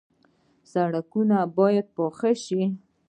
سړکونه باید پاخه شي